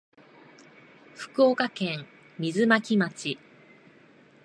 福岡県水巻町